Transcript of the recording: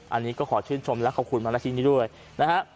อันนี้ก็ขอชื่นชมและขอบคุณมูลนิธินี้ด้วยนะฮะ